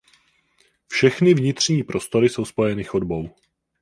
Všechny vnitřní prostory jsou spojeny chodbou.